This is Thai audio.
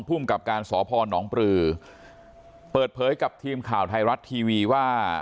ภูมิกับการสพนปลือเปิดเผยกับทีมข่าวไทยรัฐทีวีว่า